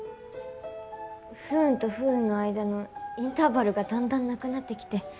不運と不運の間のインターバルがだんだんなくなってきて。